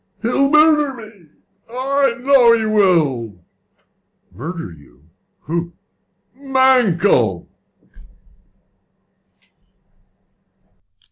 "He'll murder me! I know he will!" "Murder you? Who?" "Mankell."